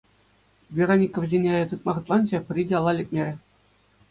Вероника вӗсене тытма хӑтланчӗ, пӗри те алла лекмерӗ.